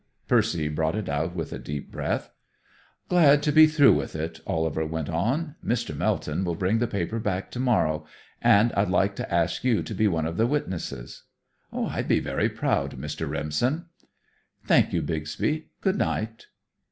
Percy brought it out with a deep breath. "Glad to be through with it," Oliver went on. "Mr. Melton will bring the paper back to morrow, and I'd like to ask you to be one of the witnesses." "I'd be very proud, Mr. Remsen." "Thank you, Bixby. Good night."